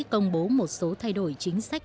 công bố một số thay đổi chính sách